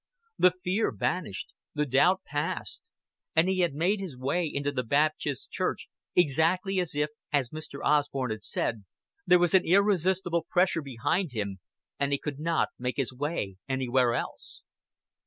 The fear vanished, the doubt passed, and he made his way into the Baptist Church exactly as if, as Mr. Osborn had said, there was an irresistible pressure behind him, and he could not make his way anywhere else.